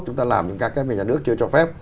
chúng ta làm những các cái mà nhà nước chưa cho phép